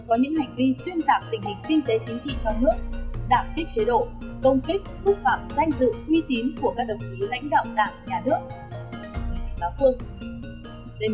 có những hành vi xuyên tạc tình hình kinh tế chính trị trong nước đảm kích chế độ công kích xúc phạm danh dự uy tín của các đồng chí lãnh đạo đảng nhà nước